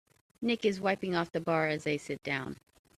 Nick is wiping off the bar as they sit down.